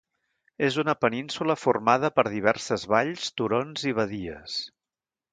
És una península formada per diverses valls, turons i badies.